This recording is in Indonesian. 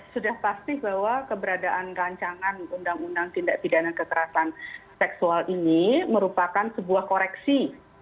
sudah pasti bahwa keberadaan rancangan undang undang tpks ini merupakan sebuah koreksi